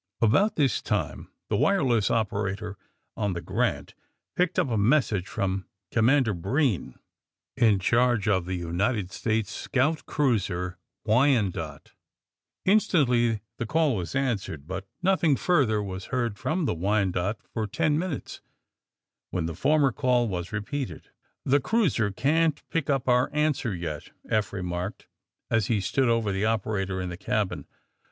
About this time the wireless operator on the ^^Granf picked up a message from Commander Breen, in charge of the United States Scout Cruiser ^^Wyanoke." Instantly the call was answered, but nothing further was heard from the ^^Wyanoke" for ten minutes, when the former call was repeated. *'The cruiser can't pick up our answer yet," Eph remarked, as he stood over the operator in the cabin.